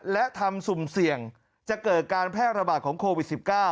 และทำสุ่มเสี่ยงจะเกิดการแพร่ระบาดของโควิด๑๙